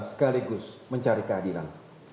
sekaligus mencari kehadiran